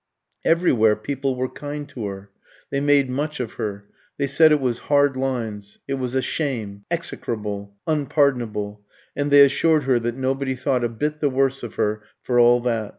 Everywhere people were kind to her; they made much of her; they said it was "hard lines," it was "a shame," "execrable," "unpardonable," and they assured her that nobody thought a bit the worse of her for all that.